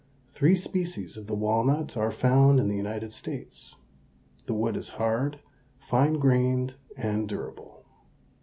Three species of the walnut are found in the United States. The wood is hard, fine grained, and durable.